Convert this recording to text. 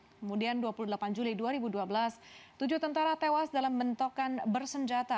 kemudian dua puluh delapan juli dua ribu dua belas tujuh tentara tewas dalam bentokan bersenjata